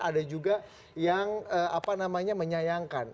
ada juga yang apa namanya menyayangkan